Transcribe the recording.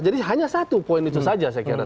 jadi hanya satu poin itu saja saya kira